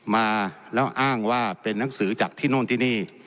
มาแล้วอ้างว่าเป็นนังสือจากที่โน่นที่นี่